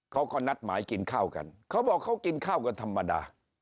เขาก็นัดหมายกินข้าวกันเขาบอกเขากินข้าวกันธรรมดา